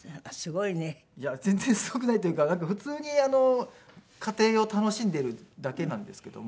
いや全然すごくないというか普通に家庭を楽しんでいるだけなんですけども。